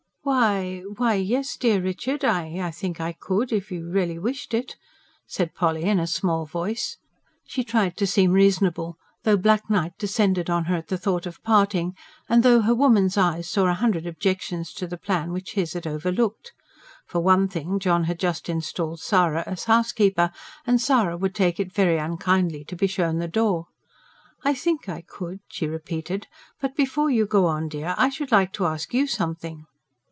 "Why ... why, yes, dear Richard, I ... I think I could, if you really wished it," said Polly in a small voice. She tried to seem reasonable; though black night descended on her at the thought of parting, and though her woman's eyes saw a hundred objections to the plan, which his had overlooked. (For one thing, John had just installed Sara as housekeeper, and Sara would take it very unkindly to be shown the door.) "I THINK I could," she repeated. "But before you go on, dear, I should like to ask YOU something."